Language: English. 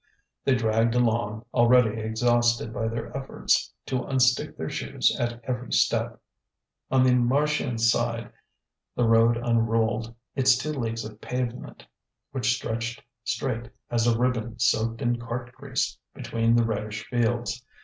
They draggled along, already exhausted by their efforts to unstick their shoes at every step. On the Marchiennes side the road unrolled its two leagues of pavement, which stretched straight as a ribbon soaked in cart grease between the reddish fields.